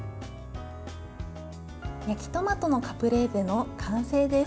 焼きトマトのカプレーゼの完成です。